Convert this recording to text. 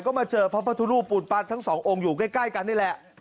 ก็มาเจอพระพุทธรูปปูนปั้นทั้งสององค์อยู่ใกล้กันนี่แหละ